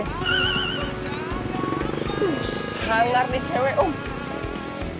hanar nih cewek ump